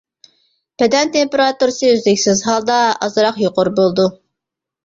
بەدەن تېمپېراتۇرىسى ئۈزلۈكسىز ھالدا ئازراق يۇقىرى بولىدۇ.